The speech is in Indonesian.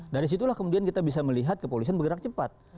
dari situlah kemudian kita bisa melihat kepolisian bergerak cepat